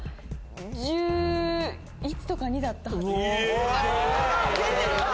１１とか１２だったはず。